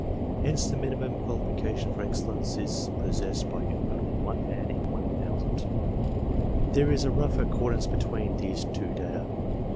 Hence the minimum qualification for excellence is possessed by only 1 man in 1,000. There is a rough accordance between these two data.